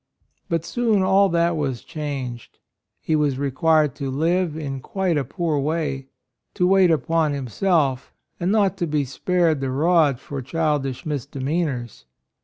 But soon all that was changed: he was required to live in quite a poor way, to wait upon him self, and not to be spared the AND MOTHER. 25 rod for childish misdemeanors.